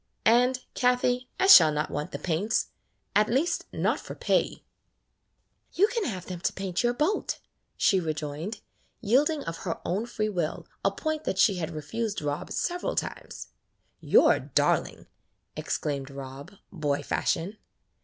And, Kathie, I shall not want the paints — at least, not for pay." [ 42 ] KATHIE^S FAIRY LAND "You can have them to paint your boat/' she rejoined, yielding of her own free will a point that she had refused Rob several times. "You 're a darling," exclaimed Rob, boy fashion.